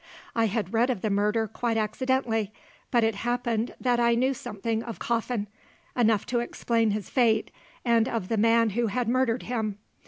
I had read of the murder quite accidentally; but it happened that I knew something of Coffin enough to explain his fate and of the man who had murdered him.